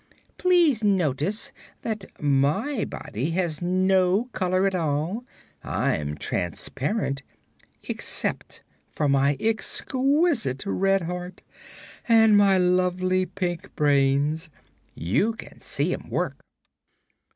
Please notice that my body has no color at all. I'm transparent, except for my exquisite red heart and my lovely pink brains you can see 'em work."